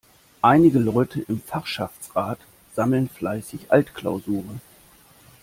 Einige Leute im Fachschaftsrat sammeln fleißig Altklausuren.